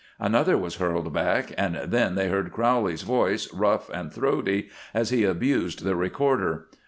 Another was hurled back, and then they heard Crowley's voice, rough and throaty, as he abused the recorder.